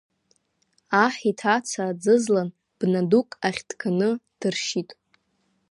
Аҳ иҭаца аӡызлан бна дук ахь дганы дыршьит.